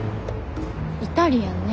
イタリアンね。